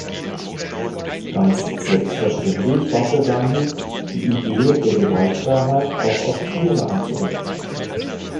Ganz selbstverständlich war für Gandhi, die Idee der Gewaltfreiheit auch auf Tiere anzuwenden.